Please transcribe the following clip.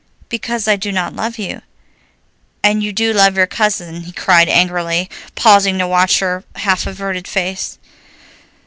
"Because I do not love you." "And you do love your cousin," he cried angrily, pausing to watch her half averted face.